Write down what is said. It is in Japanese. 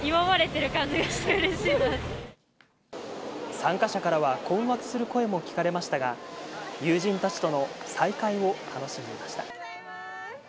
参加者からは困惑する声も聞かれましたが、友人たちとの再会を楽しんでいました。